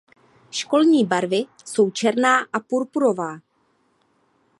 Školní barvy jsou černá a purpurová.